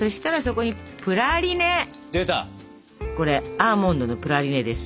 これアーモンドのプラリネです。